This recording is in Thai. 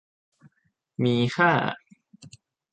มีค่า